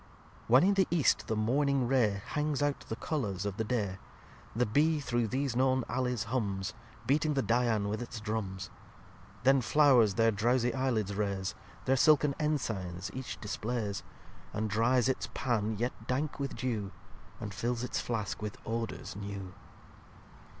xxxvii When in the East the Morning Ray Hangs out the Colours of the Day, The Bee through these known Allies hums, Beating the Dian with its Drumms. Then Flow'rs their drowsie Eylids raise, Their Silken Ensigns each displayes, And dries its Pan yet dank with Dew, And fills its Flask with Odours new.